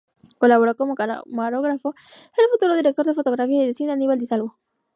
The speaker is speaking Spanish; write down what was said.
Colaboró como camarógrafo el futuro director de fotografía y de cine Aníbal Di Salvo.